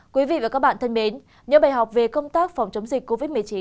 quý vị và các bạn thân mến những bài học về công tác phòng chống dịch covid một mươi chín